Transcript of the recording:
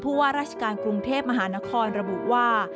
ว่าราชการกรุงเทพมหานครระบุว่า